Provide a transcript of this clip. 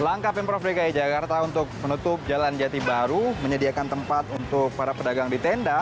langkah pemprov dki jakarta untuk menutup jalan jati baru menyediakan tempat untuk para pedagang di tenda